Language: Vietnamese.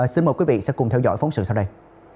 xin mời quý vị sẽ cùng theo dõi phóng sự sau đây